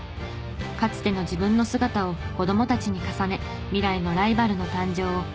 かつての自分の姿を子供たちに重ね未来のライバルの誕生を心待ちにしています。